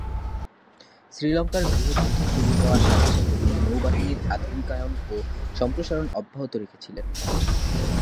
শ্রীলঙ্কার গৃহযুদ্ধ শুরু হওয়ার সাথে সাথে তিনি নৌবাহিনীর আধুনিকায়ন ও সম্প্রসারণ অব্যাহত রেখেছিলেন।